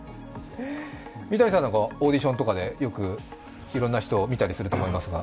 三谷さんはオーディションとかでいろいろな人を見たりすると思いますが？